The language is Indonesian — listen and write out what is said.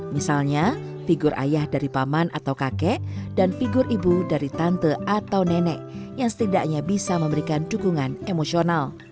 misalnya figur ayah dari paman atau kakek dan figur ibu dari tante atau nenek yang setidaknya bisa memberikan dukungan emosional